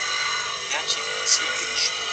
خپل کالي په پاکه صابون پرېمنځئ.